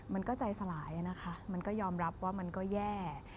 มันก็ใจสลายนะคะมันก็ยอมรับว่ามันก็แย่